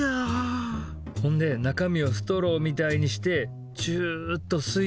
ほんで中身をストローみたいにしてチュッと吸い取んねん。